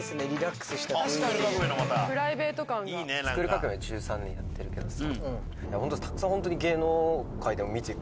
『スクール革命！』１３年やってるけどさ。